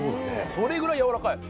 それぐらいやわらかい。